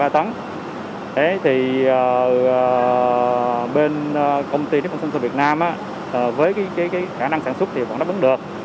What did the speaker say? thế thì bên công ty tp hcm với cái khả năng sản xuất thì còn đáp ứng được